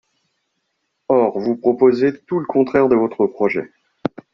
Or vous proposez tout le contraire dans votre projet.